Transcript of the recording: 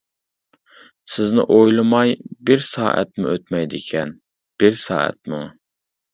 سىزنى ئويلىماي بىر سائەتمۇ ئۆتمەيدىكەن، بىر سائەتمۇ!